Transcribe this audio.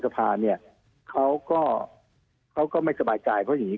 สภาเนี่ยเค้าก็เก้าก็ไม่สบายจ่ายเพราะอย่างงี้